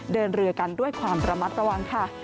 เดินเรือกันด้วยความระมัดระวังค่ะ